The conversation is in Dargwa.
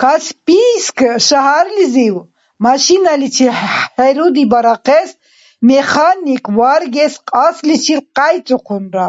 Каспийск шагьарлизив, машиналичи хӏерудибарахъес механик варгес кьасличил къяйцӏухъунра.